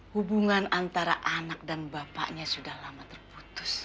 hubungan antara anak dan bapaknya sudah lama terputus